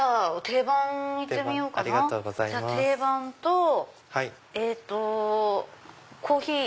定番とえっとコーヒー。